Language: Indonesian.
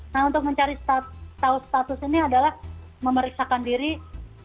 nah untuk mencari tahu status ini adalah memeriksakan diri